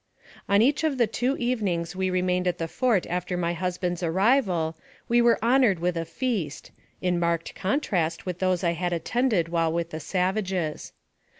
On each of the two evenings we remained at the fort after my husband's arrival, we were honored with a " feast," in marked, contrast with those I had at tended while with the savages.